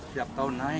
setiap tahun naik